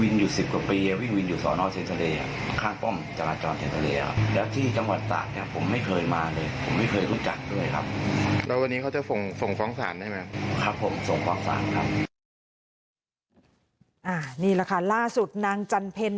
นี่แหละค่ะล่าสุดนางจันเพ็ญ